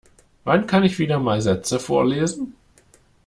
Wann kann ich wieder mal Sätze vorlesen?